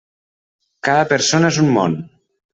Cada persona és un món.